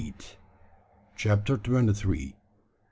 CHAPTER TWENTY THREE.